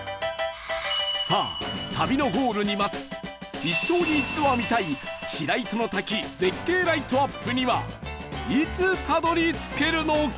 さあ旅のゴールに待つ一生に一度は見たい白糸の滝絶景ライトアップにはいつたどり着けるのか？